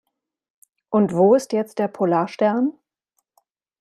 Und wo ist jetzt der Polarstern?